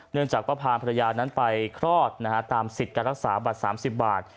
จากว่าพาภรรยานั้นไปคลอดตามสิทธิ์การรักษาบัตร๓๐บาท